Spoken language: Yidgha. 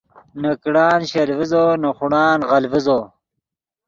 نے کڑان شل ڤیزو نے خوڑان غل ڤیزو